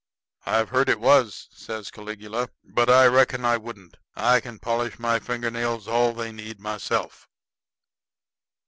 "I've heard it was," says Caligula. "But I reckon I wouldn't. I can polish my fingernails all they need myself."